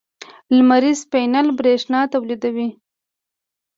لمریز پینل برېښنا تولیدوي.